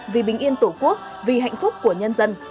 vì bình yên tổ quốc vì hạnh phúc của nhân dân